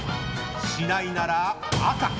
しないなら赤。